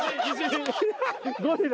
ゴリラ？